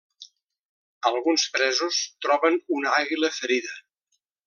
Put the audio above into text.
Alguns presos troben una àguila ferida.